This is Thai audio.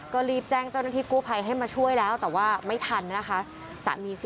ก็รีบแจ้งเจ้าหน้าที่กู้ภัยให้มาช่วยแล้วแต่ว่าไม่ทันนะคะ